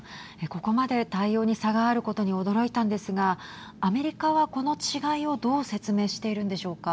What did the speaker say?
ここまで対応に差があることに驚いたんですがアメリカは、この違いをどう説明しているんでしょうか。